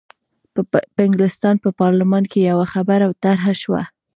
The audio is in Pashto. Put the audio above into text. په انګلستان په پارلمان کې یوه خبره طرح شوه.